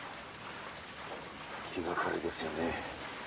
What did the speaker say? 気がかりですよね。